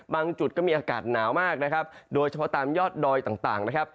จุดก็มีอากาศหนาวมากนะครับโดยเฉพาะตามยอดดอยต่างนะครับ